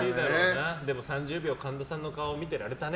でも、３０秒神田さんの顔を見てられたね。